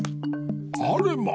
あれま。